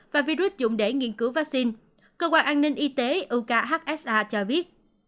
và virus dùng để nghiên cứu vaccine cơ quan an ninh y tế okhsa cho biết